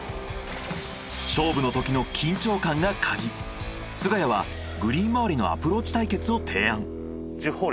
勝負のときの緊張感がカギ菅谷はグリーン周りのアプローチ対決を提案。